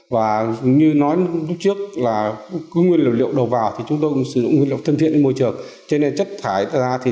và như nói lúc trước là nguyên liệu đầu vào thì chúng tôi sẽ sử dụng hóa chất và máy kẽm kẽm chì cho nên là chất độc hại ra rất là nhiều là giảm rất là nhiều